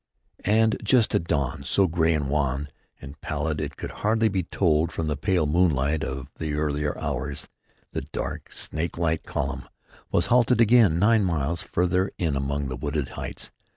And just at dawn, so gray and wan and pallid it could hardly be told from the pale moonlight of the earlier hours, the dark, snake like column was halted again, nine miles further in among the wooded heights.